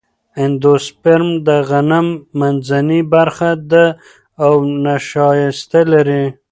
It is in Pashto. اندوسپرم د غنم منځنۍ برخه ده او نشایسته لري.